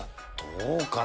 どうかな。